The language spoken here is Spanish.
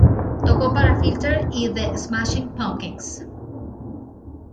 Tocó para Filter y The Smashing Pumpkins.